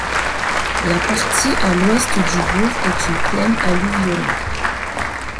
La partie à l'ouest du bourg est une plaine alluvionnaire.